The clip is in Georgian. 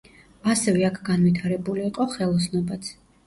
ასევე აქ განვითარებული იყო ხელოსნობაც.